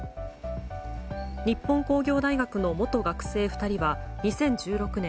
日本工業大学の元学生２人は２０１６年